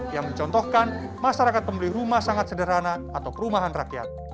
yang mencontohkan masyarakat pembeli rumah sangat sederhana atau perumahan rakyat